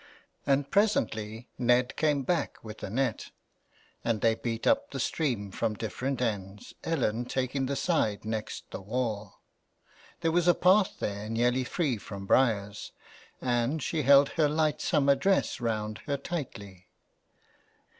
And presently Ned came back with a net, and they beat up the stream from different ends, Ellen taking the side next the wall. There was a path there nearly free from briers, and she held her light summer dress round her tightly.